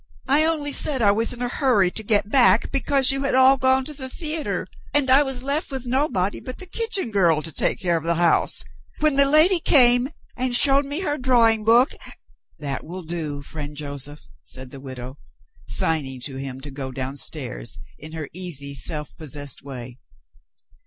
I only said I was in a hurry to get back, because you had all gone to the theater, and I was left (with nobody but the kitchen girl) to take care of the house. When the lady came, and showed me her drawing book " "That will do, friend Joseph," said the widow, signing to him to go downstairs in her easy self possessed way.